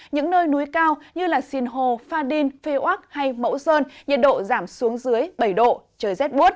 những nơi núi cao như sinh hồ pha đinh phi oác hay mẫu sơn nhiệt độ giảm xuống dưới bảy độ